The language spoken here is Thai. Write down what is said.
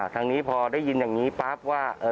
ทางนี้พอได้ยินอย่างนี้ปั๊บว่า